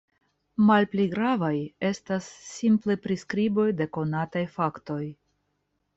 Malpli gravaj estas simplaj priskriboj de konataj faktoj.